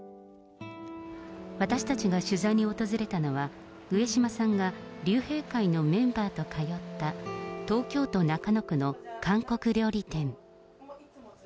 私たちが取材に訪れたのは、上島さんが竜兵会のメンバーと通った、東京都中野区の韓国料理店。